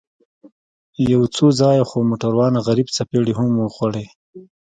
يو څو ځايه خو موټروان غريب څپېړې هم وخوړې.